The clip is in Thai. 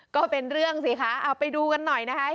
ก็เป็นเรื่องสิคะเอาไปดูกันหน่อยนะคะ